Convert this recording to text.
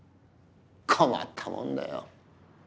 困ったもんだよ。